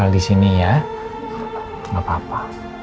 kalo disini ya gapapa